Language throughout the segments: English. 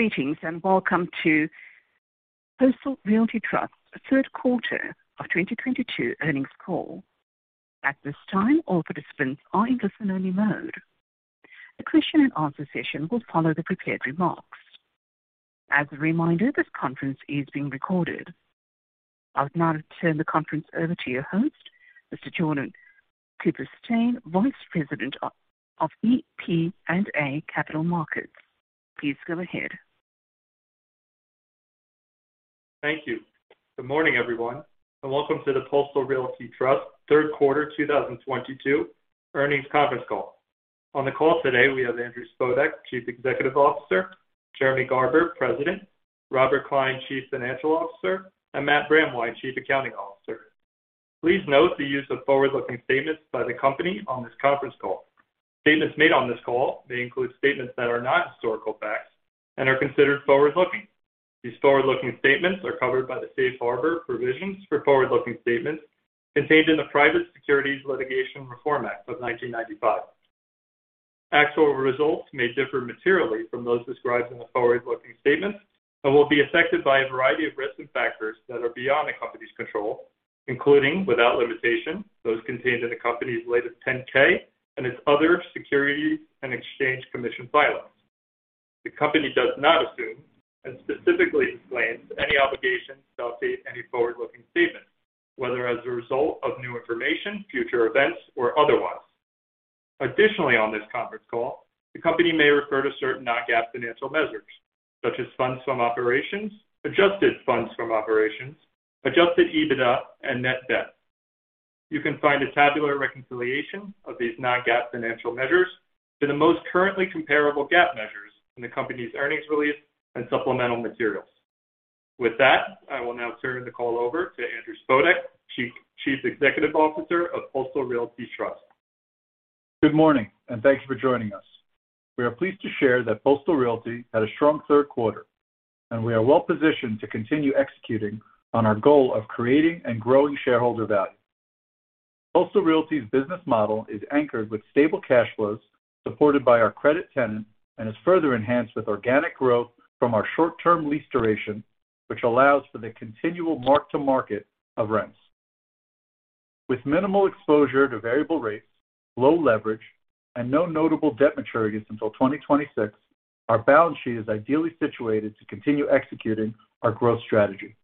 Greetings, and welcome to Postal Realty Trust third quarter of 2022 earnings call. At this time, all participants are in listen-only mode. The question and answer session will follow the prepared remarks. As a reminder, this conference is being recorded. I would now turn the conference over to your host, Mr. Jordan Cooperstein, Vice President of FP&A, Capital Markets. Please go ahead. Thank you. Good morning, everyone, and welcome to the Postal Realty Trust third quarter 2022 earnings conference call. On the call today, we have Andrew Spodek, Chief Executive Officer, Jeremy Garber, President, Robert Klein, Chief Financial Officer, and Matt Brandwein, Chief Accounting Officer. Please note the use of forward-looking statements by the company on this conference call. Statements made on this call may include statements that are not historical facts and are considered forward-looking. These forward-looking statements are covered by the safe harbor provisions for forward-looking statements contained in the Private Securities Litigation Reform Act of 1995. Actual results may differ materially from those described in the forward-looking statements and will be affected by a variety of risks and factors that are beyond the company's control, including, without limitation, those contained in the company's latest 10-K and its other Securities and Exchange Commission filings. The company does not assume, and specifically disclaims, any obligation to update any forward-looking statement, whether as a result of new information, future events, or otherwise. Additionally, on this conference call, the company may refer to certain non-GAAP financial measures such as funds from operations, adjusted funds from operations, adjusted EBITDA, and net debt. You can find a tabular reconciliation of these non-GAAP financial measures to the most currently comparable GAAP measures in the company's earnings release and supplemental materials. With that, I will now turn the call over to Andrew Spodek, Chief Executive Officer of Postal Realty Trust. Good morning, and thank you for joining us. We are pleased to share that Postal Realty had a strong third quarter, and we are well positioned to continue executing on our goal of creating and growing shareholder value. Postal Realty's business model is anchored with stable cash flows supported by our credit tenant and is further enhanced with organic growth from our short-term lease duration, which allows for the continual mark-to-market of rents. With minimal exposure to variable rates, low leverage, and no notable debt maturities until 2026, our balance sheet is ideally situated to continue executing our growth strategy.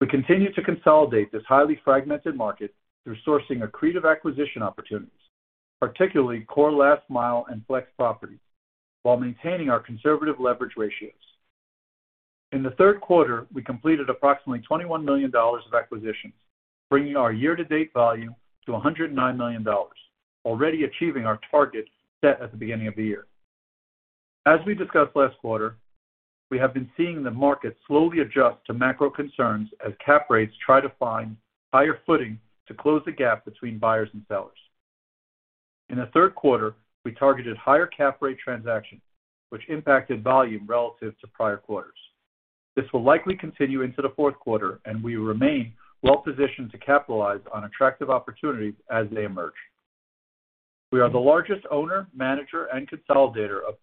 We continue to consolidate this highly fragmented market through sourcing accretive acquisition opportunities, particularly core last mile and flex properties, while maintaining our conservative leverage ratios. In the third quarter, we completed approximately $21 million of acquisitions, bringing our year-to-date value to $109 million, already achieving our target set at the beginning of the year. As we discussed last quarter, we have been seeing the market slowly adjust to macro concerns as cap rates try to find higher footing to close the gap between buyers and sellers. In the third quarter, we targeted higher cap rate transactions, which impacted volume relative to prior quarters. This will likely continue into the fourth quarter, and we remain well positioned to capitalize on attractive opportunities as they emerge. We are the largest owner, manager, and consolidator of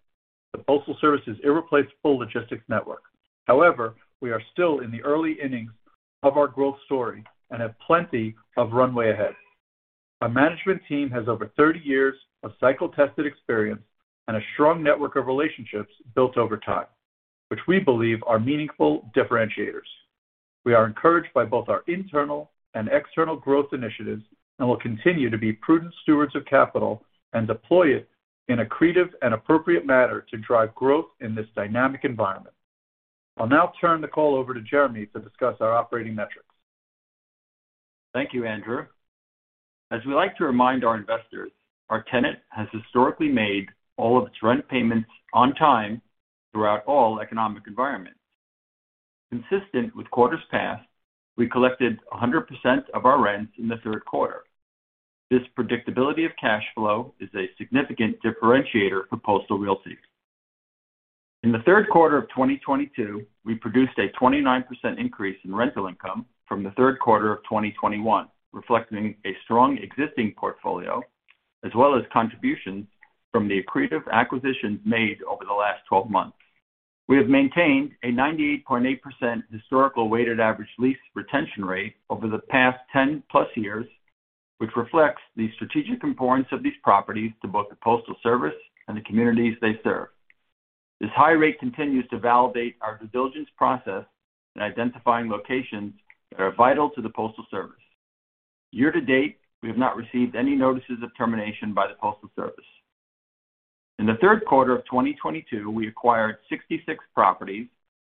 the Postal Service's irreplaceable logistics network. However, we are still in the early innings of our growth story and have plenty of runway ahead. Our management team has over 30 years of cycle-tested experience and a strong network of relationships built over time, which we believe are meaningful differentiators. We are encouraged by both our internal and external growth initiatives and will continue to be prudent stewards of capital and deploy it in accretive and appropriate manner to drive growth in this dynamic environment. I'll now turn the call over to Jeremy to discuss our operating metrics. Thank you, Andrew. As we like to remind our investors, our tenant has historically made all of its rent payments on time throughout all economic environments. Consistent with quarters past, we collected 100% of our rents in the third quarter. This predictability of cash flow is a significant differentiator for Postal Realty. In the third quarter of 2022, we produced a 29% increase in rental income from the third quarter of 2021, reflecting a strong existing portfolio as well as contributions from the accretive acquisitions made over the last 12 months. We have maintained a 98.8% historical weighted average lease retention rate over the past 10+ years, which reflects the strategic importance of these properties to both the Postal Service and the communities they serve. This high rate continues to validate our due diligence process in identifying locations that are vital to the Postal Service. Year to date, we have not received any notices of termination by the Postal Service. In the third quarter of 2022, we acquired 66 properties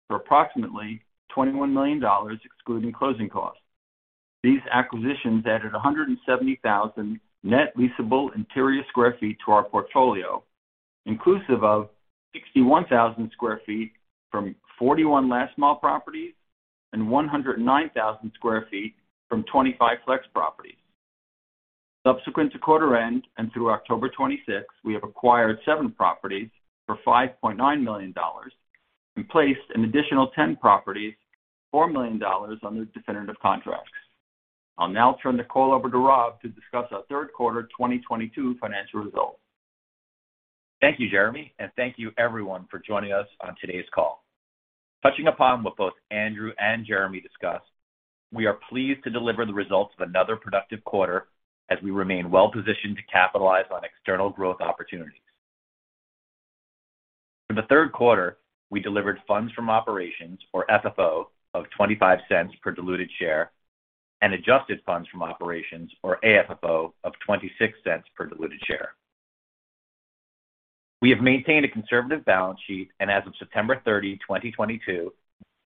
for approximately $21 million, excluding closing costs. These acquisitions added 170,000 net leasable interior square feet to our portfolio, inclusive of 61,000 sq ft from 41 last mile properties and 109,000 sq ft from 25 flex properties. Subsequent to quarter end and through October 26th, we have acquired seven properties for $5.9 million and placed an additional 10 properties, $4 million under definitive contracts. I'll now turn the call over to Rob to discuss our third quarter 2022 financial results. Thank you, Jeremy, and thank you everyone for joining us on today's call. Touching upon what both Andrew and Jeremy discussed, we are pleased to deliver the results of another productive quarter as we remain well positioned to capitalize on external growth opportunities. For the third quarter, we delivered funds from operations or FFO of $0.25 per diluted share and adjusted funds from operations or AFFO of $0.26 per diluted share. We have maintained a conservative balance sheet, and as of September 30, 2022,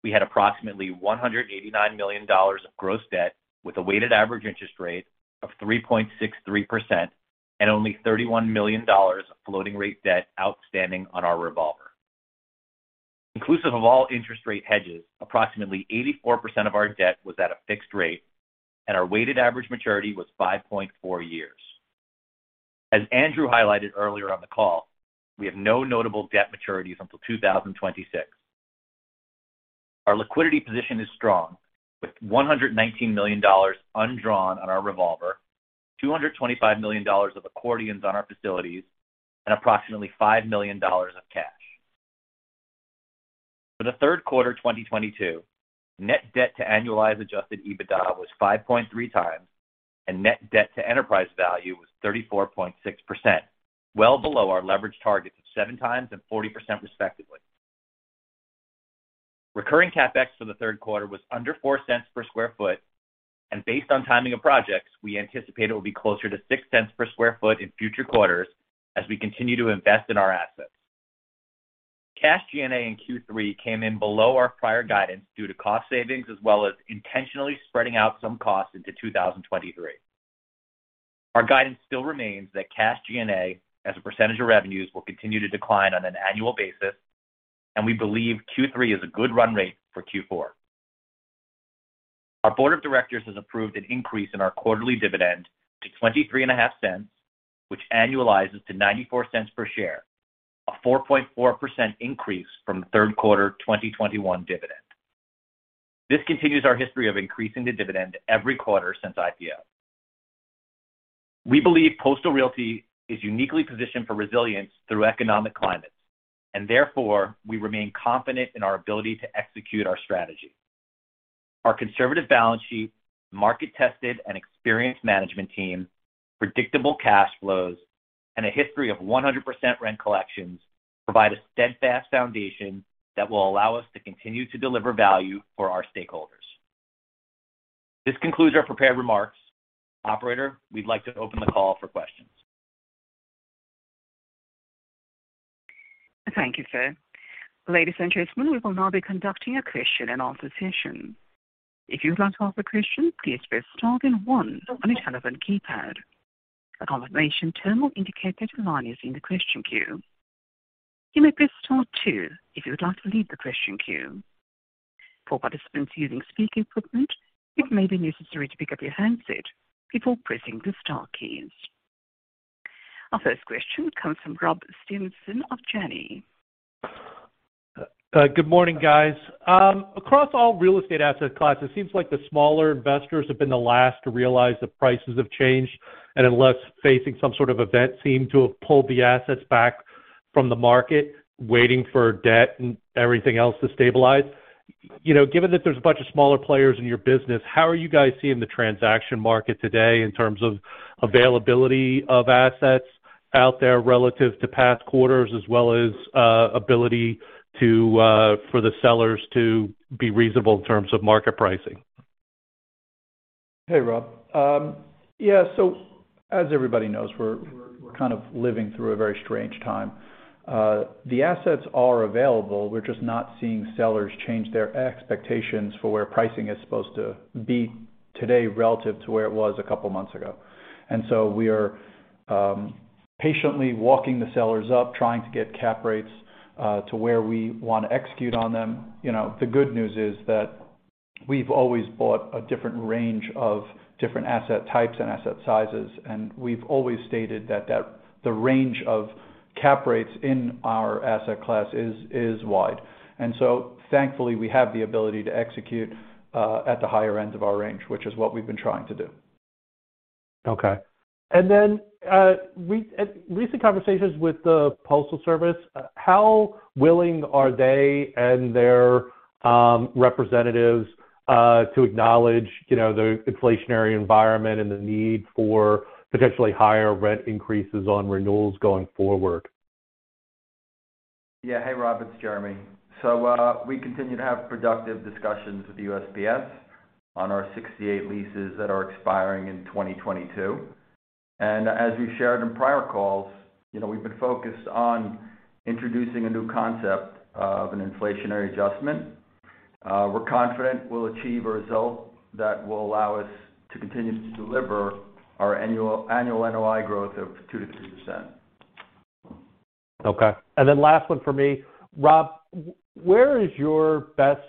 we had approximately $189 million of gross debt with a weighted average interest rate of 3.63% and only $31 million of floating rate debt outstanding on our revolver. Inclusive of all interest rate hedges, approximately 84% of our debt was at a fixed rate, and our weighted average maturity was 5.4 years. As Andrew highlighted earlier on the call, we have no notable debt maturities until 2026. Our liquidity position is strong, with $119 million undrawn on our revolver, $225 million of accordions on our facilities, and approximately $5 million of cash. For the third quarter 2022, net debt to annualized adjusted EBITDA was 5.3x, and net debt to enterprise value was 34.6%, well below our leverage targets of 7x and 40% respectively. Recurring CapEx for the third quarter was under $0.04 per square foot, and based on timing of projects, we anticipate it will be closer to $0.06 per sq ft in future quarters as we continue to invest in our assets. Cash G&A in Q3 came in below our prior guidance due to cost savings as well as intentionally spreading out some costs into 2023. Our guidance still remains that cash G&A, as a percentage of revenues, will continue to decline on an annual basis, and we believe Q3 is a good run rate for Q4. Our Board of Directors has approved an increase in our quarterly dividend to $0.235, which annualizes to $0.94 per share, a 4.4% increase from the third quarter 2021 dividend. This continues our history of increasing the dividend every quarter since IPO. We believe Postal Realty is uniquely positioned for resilience through economic climates, and therefore, we remain confident in our ability to execute our strategy. Our conservative balance sheet, market-tested and experienced management team, predictable cash flows, and a history of 100% rent collections provide a steadfast foundation that will allow us to continue to deliver value for our stakeholders. This concludes our prepared remarks. Operator, we'd like to open the call for questions. Thank you, sir. Ladies and gentlemen, we will now be conducting a question and answer session. If you would like to ask a question, please press star then one on your telephone keypad. A confirmation tone will indicate that your line is in the question queue. You may press star two if you would like to leave the question queue. For participants using speaker equipment, it may be necessary to pick up your handset before pressing the star keys. Our first question comes from Rob Stevenson of Janney. Good morning, guys. Across all real estate asset classes, it seems like the smaller investors have been the last to realize the prices have changed, and unless facing some sort of event, seem to have pulled the assets back from the market, waiting for debt and everything else to stabilize. You know, given that there's a bunch of smaller players in your business, how are you guys seeing the transaction market today in terms of availability of assets out there relative to past quarters, as well as ability to for the sellers to be reasonable in terms of market pricing? Hey, Rob. Yeah. As everybody knows, we're kind of living through a very strange time. The assets are available. We're just not seeing sellers change their expectations for where pricing is supposed to be today relative to where it was a couple months ago. We are patiently walking the sellers up, trying to get cap rates to where we want to execute on them. You know, the good news is that we've always bought a different range of different asset types and asset sizes, and we've always stated that the range of cap rates in our asset class is wide. Thankfully, we have the ability to execute at the higher end of our range, which is what we've been trying to do. Okay. Recent conversations with the Postal Service, how willing are they and their representatives to acknowledge, you know, the inflationary environment and the need for potentially higher rent increases on renewals going forward? Yeah. Hey, Rob, it's Jeremy. We continue to have productive discussions with USPS on our 68 leases that are expiring in 2022. As we've shared in prior calls, you know, we've been focused on introducing a new concept of an inflationary adjustment. We're confident we'll achieve a result that will allow us to continue to deliver our annual NOI growth of 2%-3%. Okay. Last one for me. Rob, where is your best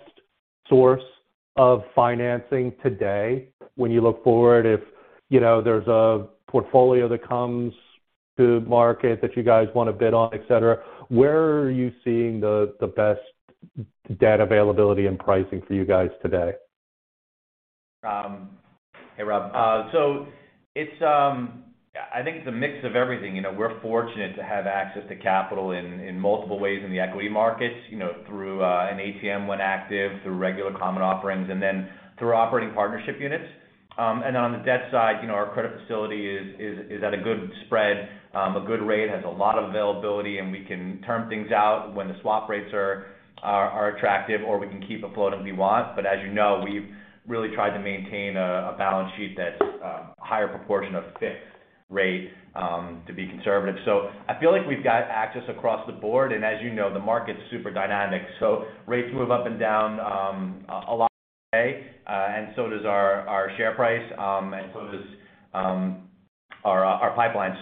source of financing today when you look forward, if, you know, there's a portfolio that comes to market that you guys want to bid on, et cetera? Where are you seeing the best debt availability and pricing for you guys today. Hey, Rob. It's, I think it's a mix of everything. You know, we're fortunate to have access to capital in multiple ways in the equity markets, you know, through an ATM when active, through regular common offerings and then through operating partnership units. On the debt side, you know, our credit facility is at a good spread, a good rate, has a lot of availability, and we can term things out when the swap rates are attractive or we can keep afloat if we want. As you know, we've really tried to maintain a balance sheet that's higher proportion of fixed rate to be conservative. I feel like we've got access across the board. As you know, the market's super dynamic, so rates move up and down a lot today, and so does our share price, and so does our pipeline.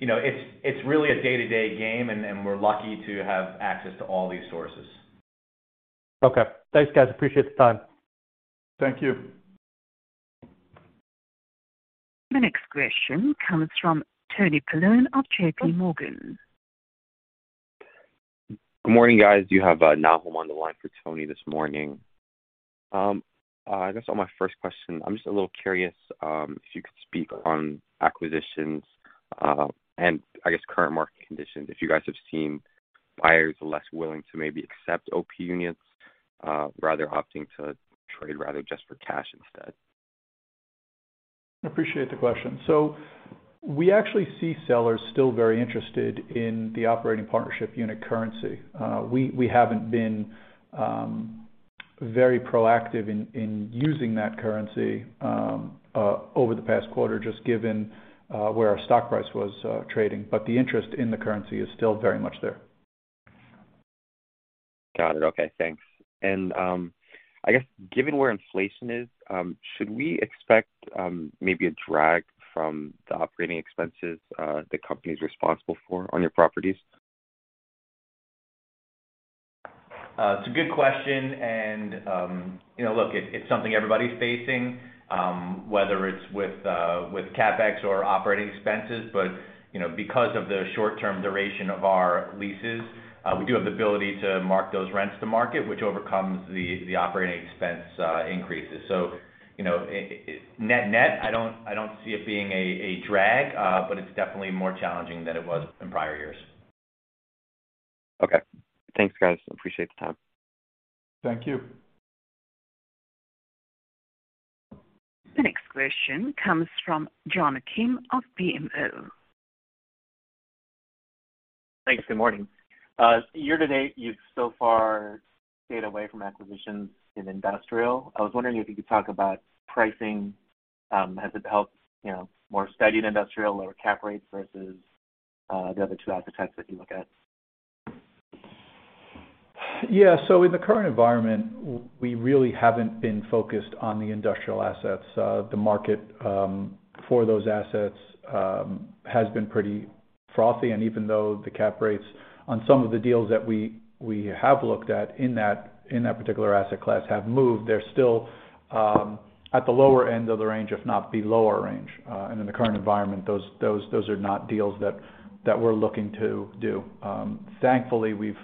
You know, it's really a day-to-day game and we're lucky to have access to all these sources. Okay. Thanks, guys. Appreciate the time. Thank you. The next question comes from Anthony Paolone of JPMorgan. Good morning, guys. You have Nahom on the line for Anthony this morning. I guess on my first question, I'm just a little curious if you could speak on acquisitions and I guess current market conditions, if you guys have seen buyers less willing to maybe accept OP units rather opting to trade just for cash instead. Appreciate the question. We actually see sellers still very interested in the operating partnership unit currency. We haven't been very proactive in using that currency over the past quarter, just given where our stock price was trading. The interest in the currency is still very much there. Got it. Okay, thanks. I guess given where inflation is, should we expect maybe a drag from the operating expenses the company is responsible for on your properties? It's a good question, and, you know, look, it's something everybody's facing, whether it's with CapEx or operating expenses. You know, because of the short-term duration of our leases, we do have the ability to mark those rents to market, which overcomes the operating expense increases. You know, net-net, I don't see it being a drag, but it's definitely more challenging than it was in prior years. Okay. Thanks, guys. Appreciate the time. Thank you. The next question comes from John Kim of BMO. Thanks. Good morning. Year-to-date, you've so far stayed away from acquisitions in industrial. I was wondering if you could talk about pricing. Has it helped, you know, more subdued industrial, lower cap rates versus the other two asset types that you look at? Yeah. In the current environment, we really haven't been focused on the industrial assets. The market for those assets has been pretty frothy. Even though the cap rates on some of the deals that we have looked at in that particular asset class have moved, they're still at the lower end of the range, if not the lower range. In the current environment, those are not deals that we're looking to do. Thankfully, we've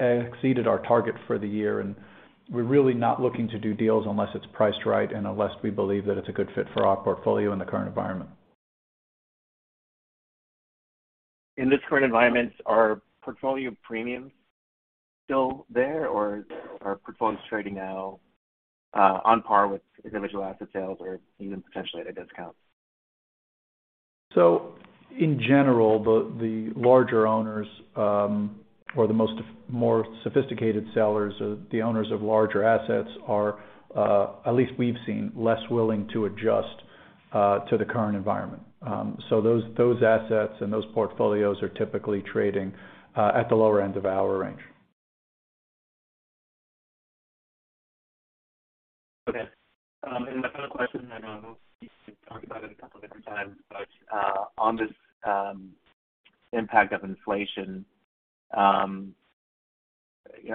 exceeded our target for the year, and we're really not looking to do deals unless it's priced right and unless we believe that it's a good fit for our portfolio in the current environment. In this current environment, are portfolio premiums still there or are portfolios trading now, on par with individual asset sales or even potentially at a discount? In general, the larger owners, or the more sophisticated sellers or the owners of larger assets are, at least we've seen, less willing to adjust to the current environment. Those assets and those portfolios are typically trading at the lower end of our range. Okay. My final question, I know you've talked about it a couple different times, but on this impact of inflation, I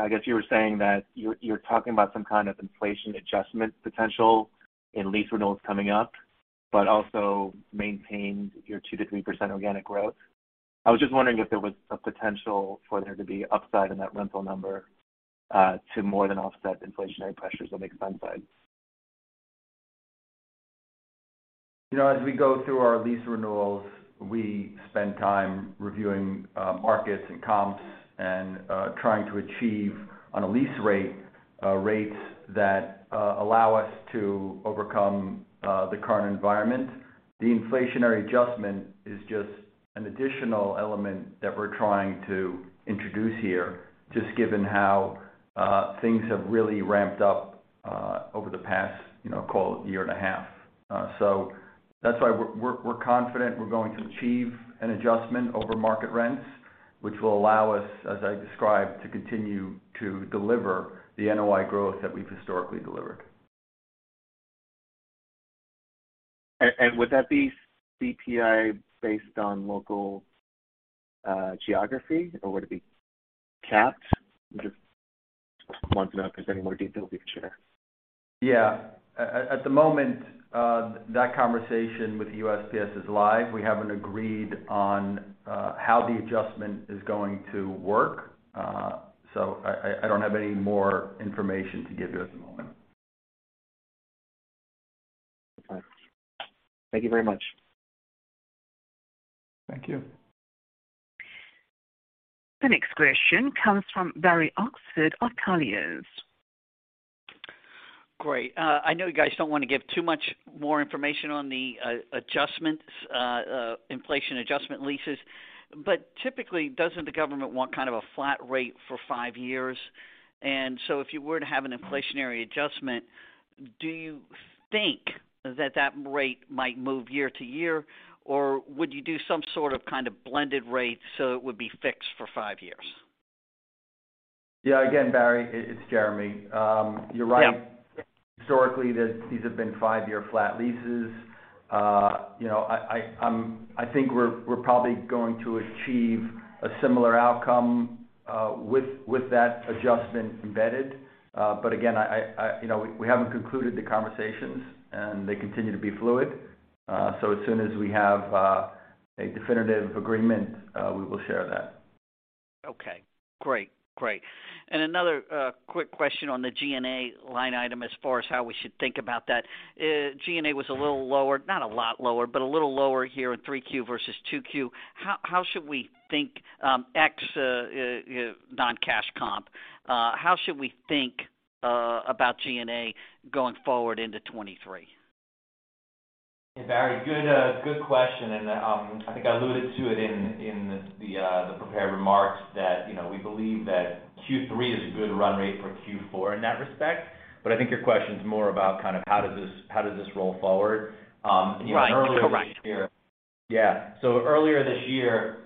guess you were saying that you're talking about some kind of inflation adjustment potential in lease renewals coming up, but also maintain your 2%-3% organic growth. I was just wondering if there was a potential for there to be upside in that rental number to more than offset inflationary pressures on the expense side. You know, as we go through our lease renewals, we spend time reviewing markets and comps and trying to achieve on a lease rate rates that allow us to overcome the current environment. The inflationary adjustment is just an additional element that we're trying to introduce here, just given how things have really ramped up over the past, you know, call it year and a half. So that's why we're confident we're going to achieve an adjustment over market rents, which will allow us, as I described, to continue to deliver the NOI growth that we've historically delivered. Would that be CPI based on local geography, or would it be capped? Just want to know if there's any more detail you could share. Yeah. At the moment, that conversation with USPS is live. We haven't agreed on how the adjustment is going to work. I don't have any more information to give you at the moment. Thank you very much. Thank you. The next question comes from Barry Oxford of Colliers. Great. I know you guys don't wanna give too much more information on the adjustments, inflation adjustment leases, but typically, doesn't the government want kind of a flat rate for five years? If you were to have an inflationary adjustment, do you think that that rate might move year-to-year? Or would you do some sort of kind of blended rate so it would be fixed for five years? Yeah, again, Barry, it's Jeremy. You're right. Historically, these have been five-year flat leases. You know, I think we're probably going to achieve a similar outcome with that adjustment embedded. But again, you know, we haven't concluded the conversations, and they continue to be fluid. So as soon as we have a definitive agreement, we will share that. Okay. Great. Another quick question on the G&A line item as far as how we should think about that. G&A was a little lower, not a lot lower, but a little lower here in 3Q versus 2Q. How should we think about G&A ex non-cash comp going forward into 2023? Hey, Barry. Good question. I think I alluded to it in the prepared remarks that, you know, we believe that Q3 is a good run rate for Q4 in that respect. I think your question is more about kind of how does this roll forward? You know, earlier this year. Right. Yeah. Earlier this year,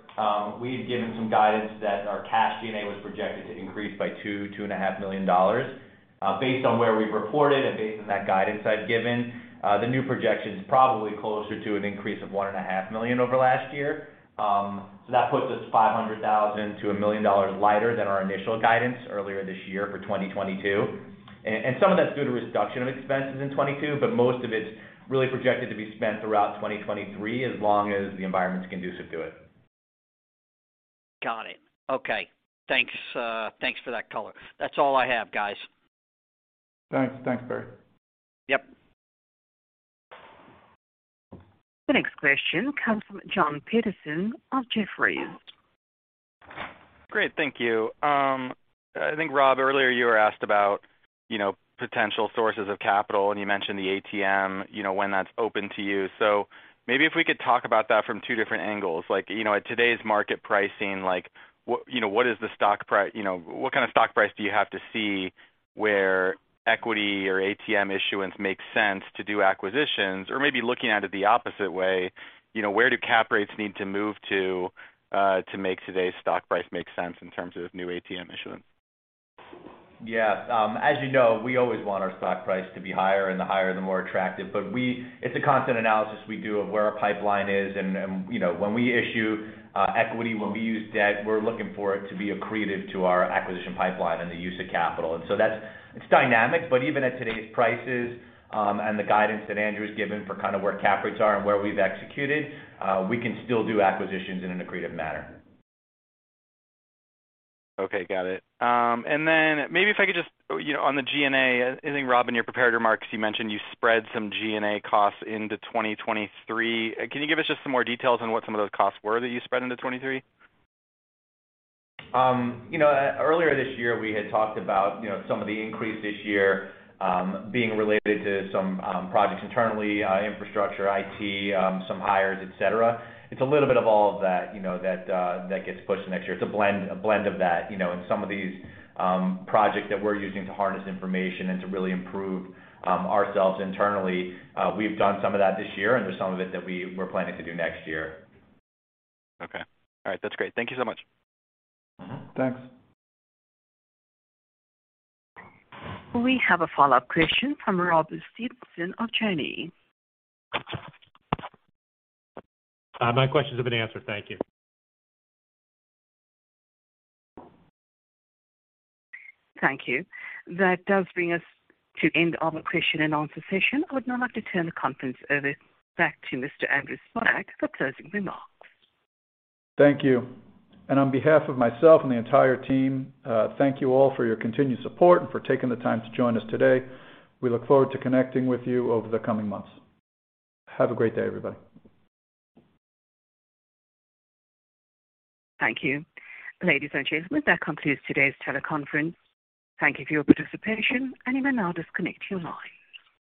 we had given some guidance that our cash G&A was projected to increase by $2.5 million. Based on where we've reported and based on that guidance I've given, the new projection is probably closer to an increase of $1.5 million over last year. That puts us $500,000-$1 million lighter than our initial guidance earlier this year for 2022. And some of that's due to reduction of expenses in 2022, but most of it's really projected to be spent throughout 2023 as long as the environment is conducive to it. Got it. Okay. Thanks for that color. That's all I have, guys. Thanks. Thanks, Barry. Yep. The next question comes from Jon Petersen of Jefferies. Great. Thank you. I think, Rob, earlier you were asked about, you know, potential sources of capital, and you mentioned the ATM, you know, when that's open to you. Maybe if we could talk about that from two different angles. Like, you know, at today's market pricing, like, what kind of stock price do you have to see where equity or ATM issuance makes sense to do acquisitions? Or maybe looking at it the opposite way, you know, where do cap rates need to move to make today's stock price make sense in terms of new ATM issuance? Yeah. As you know, we always want our stock price to be higher, and the higher, the more attractive. It's a constant analysis we do of where our pipeline is. You know, when we issue equity, when we use debt, we're looking for it to be accretive to our acquisition pipeline and the use of capital. That's dynamic, but even at today's prices, and the guidance that Andrew's given for kind of where cap rates are and where we've executed, we can still do acquisitions in an accretive manner. Okay, got it. Maybe if I could just, you know, on the G&A, I think, Rob, in your prepared remarks, you mentioned you spread some G&A costs into 2023. Can you give us just some more details on what some of those costs were that you spread into 2023? You know, earlier this year, we had talked about, you know, some of the increase this year being related to some projects internally, infrastructure, IT, some hires, etc. It's a little bit of all of that, you know, that gets pushed next year. It's a blend of that, you know, and some of these projects that we're using to harness information and to really improve ourselves internally. We've done some of that this year, and there's some of it that we're planning to do next year. Okay. All right. That's great. Thank you so much. Mm-hmm. Thanks. We have a follow-up question from Rob Stevenson of Janney. My questions have been answered. Thank you. Thank you. That does bring us to end of our question and answer session. I would now like to turn the conference over back to Mr. Andrew Spodek for closing remarks. Thank you. On behalf of myself and the entire team, thank you all for your continued support and for taking the time to join us today. We look forward to connecting with you over the coming months. Have a great day, everybody. Thank you. Ladies and gentlemen, that concludes today's teleconference. Thank you for your participation, and you may now disconnect your lines.